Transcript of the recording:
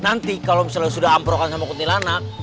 nanti kalau misalnya sudah amprokan sama kuntilanak